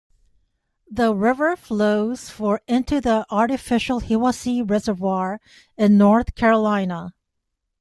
The river flows for into the artificial Hiwassee Reservoir in North Carolina.